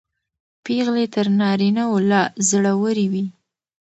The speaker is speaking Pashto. پېغلې تر نارینه و لا زړورې وې.